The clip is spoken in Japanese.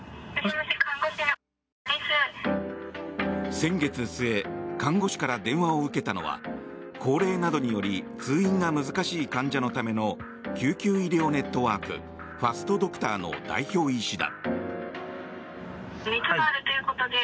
先月末看護師から電話を受けたのは高齢などにより通院が難しい患者のための救急医療ネットワークファストドクターの代表医師だ。